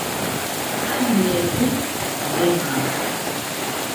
Agnes mulema.